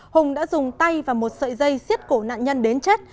hùng đã dùng tay và một sợi dây xiết cổ nạn nhân đến chết